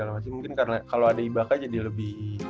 mungkin kalo ada ibaka jadi lebih